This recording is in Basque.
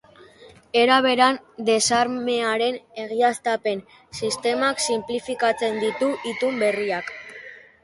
Era beran, desarmearen egiaztapen sistemak sinplifikatzen ditu itun berriak.